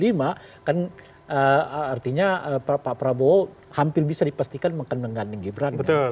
kenapa gitu karena kalau dipercepat apalagi kemudian mengatakan menerima kan artinya pak prabowo hampir bisa dipastikan mengandung andung gibran